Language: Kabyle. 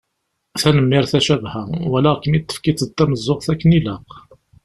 Tanemmirt a Cabḥa, walaɣ-kem-id tefkiḍ-d tameẓẓuɣt akken i ilaq.